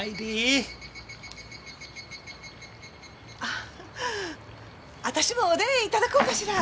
あ私もおでんいただこうかしら。